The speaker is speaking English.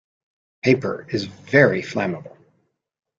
Paper is very flammable.